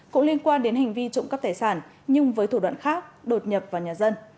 cũng liên quan đến hành vi trộm cắp tài sản nhưng với thủ đoạn khác đột nhập vào nhà dân